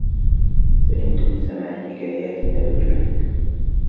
سئمت من سماع حكايات تبجحك.